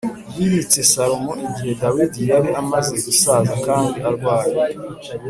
yimitse Salomo Igihe Dawidi yari amaze gusaza kandi arwaye